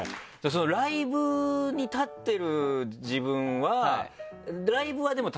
ライブに立ってる自分は。